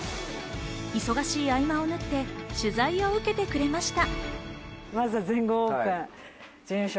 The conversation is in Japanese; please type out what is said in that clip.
忙しい合間を縫って取材を受けてくれました。